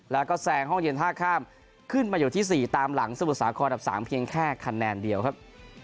แล้วก็แซงห้องเย็นท่าข้ามขึ้นมาอยู่ที่๔ตามหลังสมุทรสาครอันดับ๓เพียงแค่คะแนนเดียวครับ